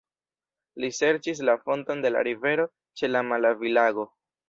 Li serĉis la fonton de la rivero ĉe la Malavi-lago.